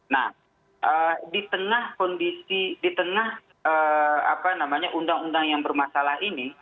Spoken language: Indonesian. nah di tengah kondisi di tengah undang undang yang bermasalah ini